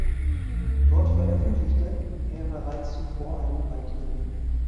Dort veröffentlichte er bereits zuvor eigene Beiträge.